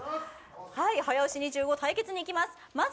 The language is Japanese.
早押し２５、対決にいきます。